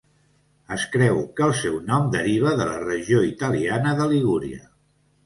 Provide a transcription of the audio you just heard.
Es creu que el seu nom deriva de la regió italiana de Ligúria.